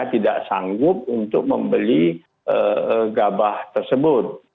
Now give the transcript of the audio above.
tidak sanggup untuk membeli gabah tersebut